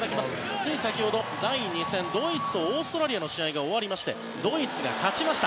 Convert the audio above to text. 先ほど、第２戦ドイツとオーストラリアの試合が終わりましてドイツが勝ちました。